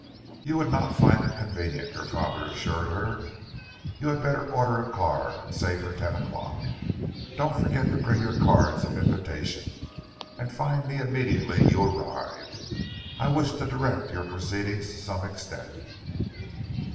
"You would not find it convenient," her father assured her. "You had better order a car, say for ten o'clock. Don't forget to bring your cards of invitation, and find me immediately you arrive. I wish to direct your proceedings to some extent."